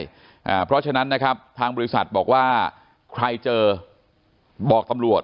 เพราะฉะนั้นนะครับทางบริษัทบอกว่าใครเจอบอกตำรวจ